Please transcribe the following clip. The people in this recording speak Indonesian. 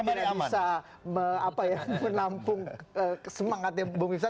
mungkin tidak bisa menampung semangatnya bumifta